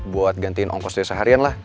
buat gantiin ongkos dia seharian lah